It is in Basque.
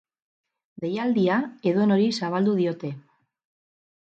Deialdia edonori zabaldu diote.